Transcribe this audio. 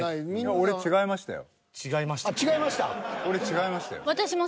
俺違いましたよ。